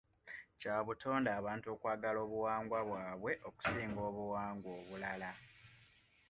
Kya butonde abantu okwagala obuwangwa bwabwe okusinga obuwangwa obulala.